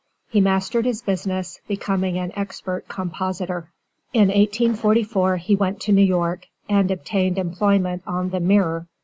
He mastered his business, becoming an expert compositor. In 1844 he went to New York and obtained employment on the Mirror.